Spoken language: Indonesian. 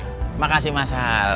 terima kasih mas al